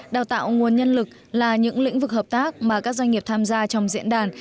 đào tạo nguồn nhân lực là những lĩnh vực hợp tác mà các doanh nghiệp tham gia trong diễn đàn